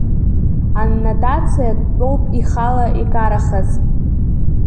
Аннотациа дтәоуп ихала икарахаз…